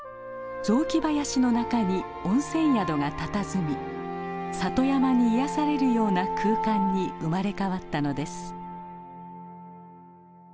雑木林の中に温泉宿がたたずみ里山に癒やされるような空間に生まれ変わったのです。